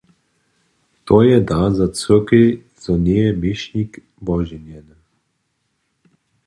To je dar za cyrkej, zo njeje měšnik woženjeny.